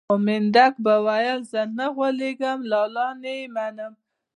خو منډک به ويل چې زه نه غولېږم لالا نه يې منم.